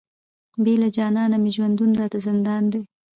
بې له جانانه مي ژوندون راته زندان دی،